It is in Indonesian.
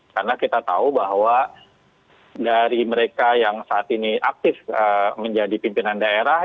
karena kita tahu bahwa dari mereka yang saat ini aktif menjadi pimpinan daerah